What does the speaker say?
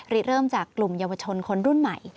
เริ่มจากกลุ่มเยาวชนคนรุ่นใหม่